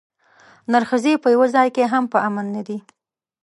نرښځي په یوه ځای کې هم په امن نه دي.